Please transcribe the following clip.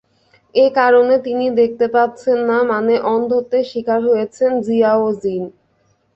এ কারণে তিনি দেখতে পাচ্ছেন না; মানে অন্ধত্বের শিকার হয়েছেন জিয়াওজিন।